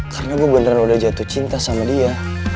karena gue beneran udah jatuh cinta sama dia